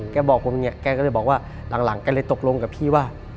แกก็เลยบอกว่าหลังแกเลยตกลงกับพี่ว่า